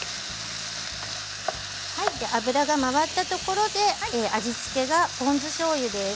油が回ったところで味付けがポン酢しょうゆです。